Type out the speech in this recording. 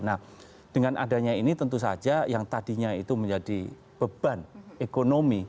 nah dengan adanya ini tentu saja yang tadinya itu menjadi beban ekonomi